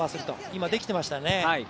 今、できていましたね。